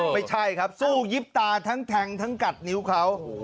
ไม่ใช่ครับสู้ยิบตาทั้งแทงทั้งกัดนิ้วเขา